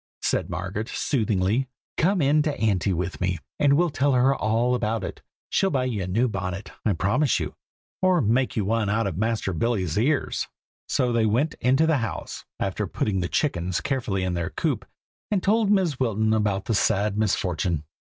said Margaret, soothingly; "come in to Auntie with me, and we'll tell her all about it. She'll buy you a new bonnet, I promise you, or make you one out of Master Billy's ears." So they went into the house, after putting the chickens carefully in their coop, and told Mrs. Wilton about the sad misfortune.